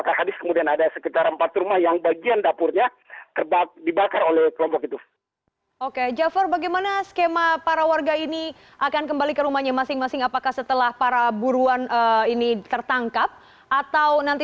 kepala kepolisian daerah sulawesi tengah brigade inspektur jenderal polisi adul rahman basso juga telah memimpin pembangunan kembangannya